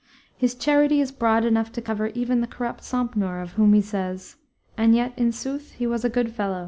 His charity is broad enough to cover even the corrupt sompnour of whom he says, "And yet in sooth he was a good felawe."